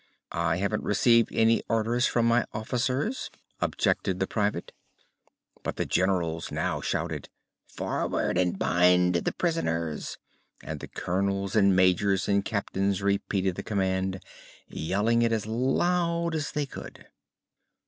"I haven't received any orders from my officers," objected the Private. But the Generals now shouted: "Forward, and bind the prisoners!" and the Colonels and Majors and Captains repeated the command, yelling it as loud as they could.